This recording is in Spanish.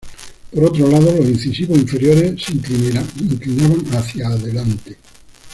Por otro lado, los incisivos inferiores se inclinaban hacia adelante.